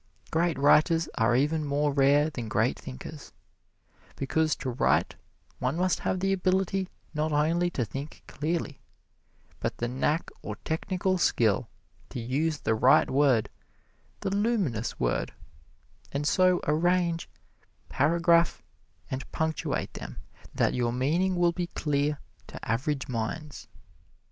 Great writers are even more rare than great thinkers, because to write one must have the ability not only to think clearly, but the knack or technical skill to use the right word, the luminous word, and so arrange, paragraph and punctuate them that your meaning will be clear to average minds.